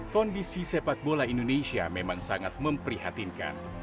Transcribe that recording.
kondisi sepak bola indonesia memang sangat memprihatinkan